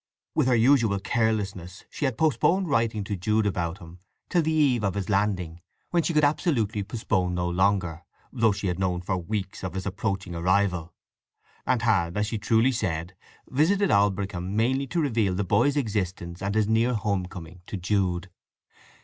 With her usual carelessness, she had postponed writing to Jude about him till the eve of his landing, when she could absolutely postpone no longer, though she had known for weeks of his approaching arrival, and had, as she truly said, visited Aldbrickham mainly to reveal the boy's existence and his near home coming to Jude.